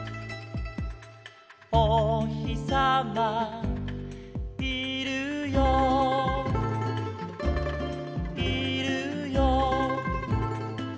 「おひさまいるよいるよ」